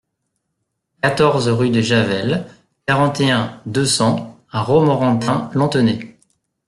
quatorze rue des Javelles, quarante et un, deux cents à Romorantin-Lanthenay